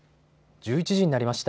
１１時になりました。